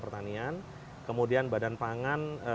pertanian kemudian badan pangan